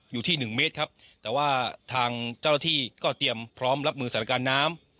อยู่ที่หนึ่งเมตรครับแต่ว่าทางเจ้าหน้าที่ก็เตรียมพร้อมรับมือสถานการณ์น้ำ